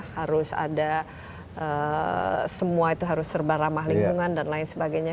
harus ada semua itu harus serba ramah lingkungan dan lain sebagainya